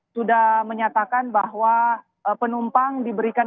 sudah menyatakan bahwa penumpang diberikan